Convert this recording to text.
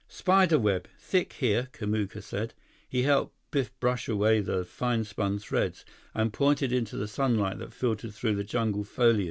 "Spider web. Thick here," Kamuka said. He helped Biff brush away the fine spun threads, and pointed into the sunlight that filtered through the jungle foliage.